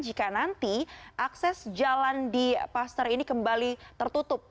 jika nanti akses jalan di paster ini kembali tertutup